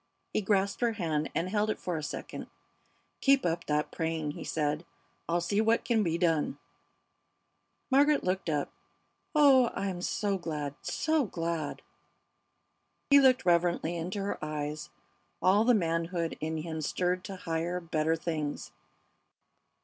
He grasped her hand and held it for a second. "Keep up that praying," he said. "I'll see what can be done." Margaret looked up. "Oh, I'm so glad, so glad!" He looked reverently into her eyes, all the manhood in him stirred to higher, better things.